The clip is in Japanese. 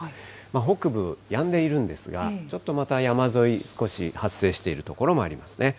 北部、やんでいるんですが、ちょっとまた山沿い、少し発生している所もありますね。